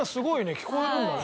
聞こえるんだね。